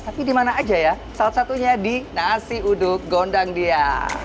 tapi di mana aja ya salah satunya di nasi uduk gondang dia